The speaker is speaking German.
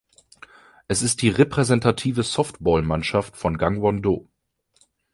Es ist die repräsentative Softballmannschaft von Gangwon-do.